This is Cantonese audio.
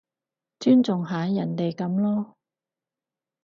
尊重下人哋噉囉